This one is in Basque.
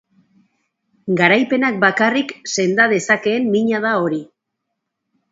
Garaipenak bakarrik senda dezakeen mina da hori.